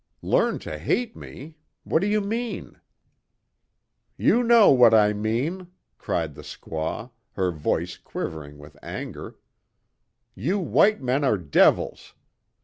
"Learn to hate me! What do you mean?" "You know what I mean!" cried the squaw, her voice quivering with anger, "You white men are devils!